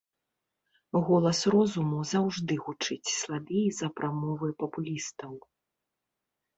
Голас розуму заўжды гучыць слабей за прамовы папулістаў.